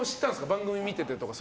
番組見ててとか。